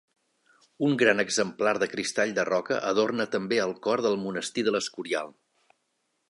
Un gran exemplar de cristall de roca adorna també el cor del monestir de l'Escorial.